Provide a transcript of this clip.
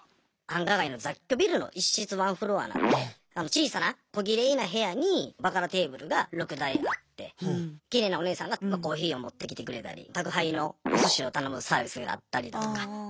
繁華街の雑居ビルの一室ワンフロアなんで小さなこぎれいな部屋にバカラテーブルが６台あってきれいなお姉さんがコーヒーを持ってきてくれたり宅配のお寿司を頼むサービスがあったりだとか。